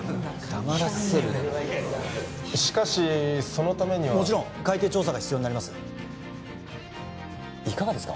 黙らせるしかしそのためにはもちろん海底調査が必要になるいかがですか？